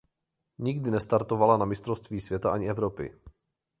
Nikdy nestartoval na mistrovství světa ani Evropy.